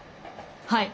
はい！